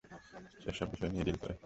সে সব বিষয় নিয়েই ডিল করে।